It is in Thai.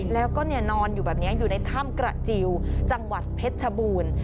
แล้วก็นอนอยู่แบบนี้อยู่ในถ้ำกระจิลจังหวัดเพชรชบูรณ์